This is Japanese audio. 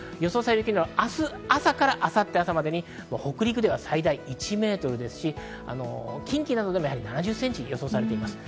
明日朝から明後日・朝までに、北陸では最大１メートルですし、近畿などでも７０センチ、予想されています。